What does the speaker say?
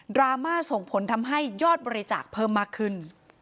ราม่าส่งผลทำให้ยอดบริจาคเพิ่มมากขึ้น